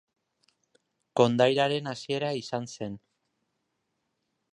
Kondairaren hasiera izan zen.